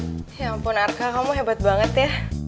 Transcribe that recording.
ya ampun arka kamu hebat banget ya